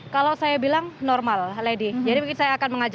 kalau saya bilang normal lady jadi mungkin saya akan mengajak